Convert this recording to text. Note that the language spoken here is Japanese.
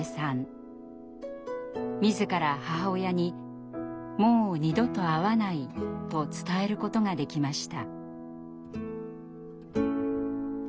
自ら母親に「もう二度と会わない」と伝えることができました。